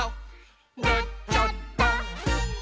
「なっちゃった！」